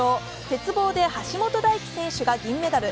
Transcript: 鉄棒で橋本大輝選手が銀メダル。